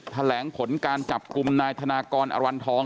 แถลงผลการจับกลุ่มนายธนากรอรันทอง